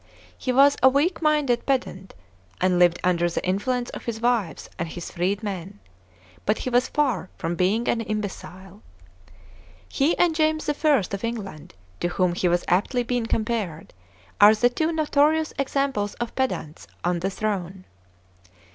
He was a weak minded pedant, and lived under the influence of his wives and his freed men, but he was far from being an imbecile. He and James I. of England, to whom he has aptly been compared, are the two notorious examples of pedants on the throne.